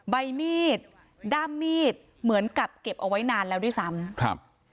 ใบมีดด้ามมีดเหมือนกับเก็บเอาไว้นานแล้วด้วยซ้ำครับ